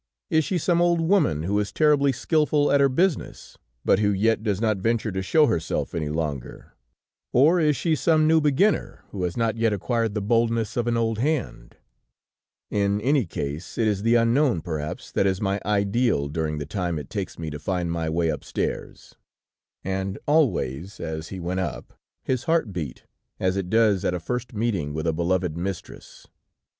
Is she some old woman, who is terribly skillful at her business, but who yet does not venture to show herself any longer? Or is she some new beginner, who has not yet acquired the boldness of an old hand? In any case, it is the unknown, perhaps, that is my ideal during the time it takes me to find my way upstairs;" and always as he went up, his heart beat, as it does at a first meeting with a beloved mistress.